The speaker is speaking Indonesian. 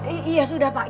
iya sudah pak